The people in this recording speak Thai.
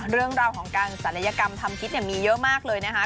เรื่องราวของการศัลยกรรมทำพิษมีเยอะมากเลยนะคะ